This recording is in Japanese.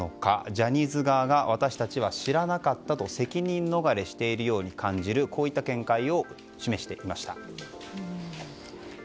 ジャニーズ側が私たちは知らなかったと責任逃れをしているように感じるこういった見解を示していました。